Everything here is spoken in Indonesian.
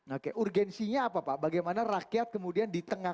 oke urgensinya apa pak bagaimana rakyat kemudian di tengah